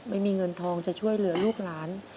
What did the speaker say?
ไม่มีเงินทองจะช่วยเหลือลูกหลาน